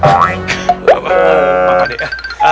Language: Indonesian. pak pak deka